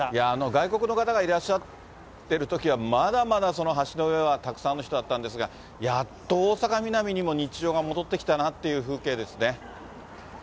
外国の方がいらっしゃってるときはまだまだその橋の上は、たくさんの人だったんですが、やっと大阪・ミナミにも日常が戻ってきたなっていう風景ですね。